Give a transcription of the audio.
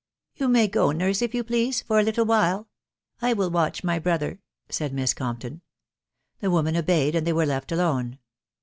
""You may go, nurse, if you please, for >a tittle while; I will watch by my brother," said Miss Compton. The woman obeyed, and they were 'left alone.